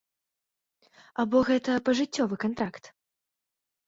Або гэта пажыццёвы кантракт?